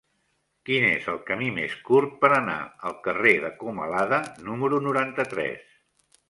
Quin és el camí més curt per anar al carrer de Comalada número noranta-tres?